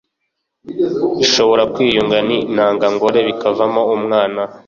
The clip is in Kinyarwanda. ishobora kwiyunga n intangangore bikavamo umwana